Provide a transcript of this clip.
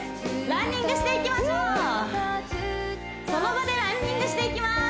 ランニングしていきましょうその場でランニングしていきます